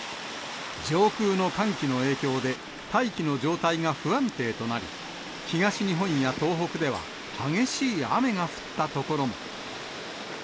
上空の寒気の影響で、大気の状態が不安定となり、東日本や東北では激しい雨が降った所も。